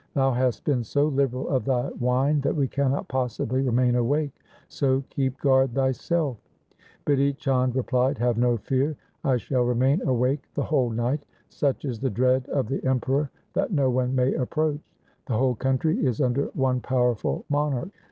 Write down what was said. Thou hast been so liberal of thy wine, that we cannot possibly remain awake, so keep guard thyself.' Bidhi Chand replied, ' Have no fear; I shall remain awake the whole night. Such is the dread of the Emperor that no one may approach. The whole country is under one powerful monarch.